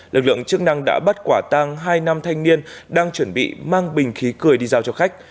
lực lượng chức năng đã bắt quả tang hai nam thanh niên đang chuẩn bị mang bình khí cười đi giao cho khách